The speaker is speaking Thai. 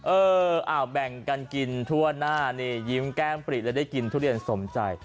เออแบ่งกันกินทั่วหน้านี่ยิ้มแก้มปริแล้วได้กินทุเรียนสมใจ